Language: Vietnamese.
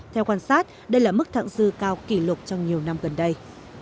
theo quan sát đây là mức thẳng dư cao kỷ lục trong nhiều năm gần đây